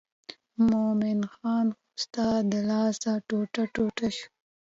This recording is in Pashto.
مومن خان خو ستا د لاسه ټوټه ټوټه شو.